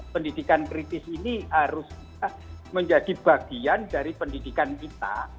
pendidikan kritis ini harus menjadi bagian dari pendidikan kita